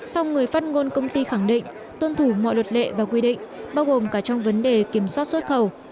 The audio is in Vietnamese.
song người phát ngôn công ty khẳng định tuân thủ mọi luật lệ và quy định bao gồm cả trong vấn đề kiểm soát xuất khẩu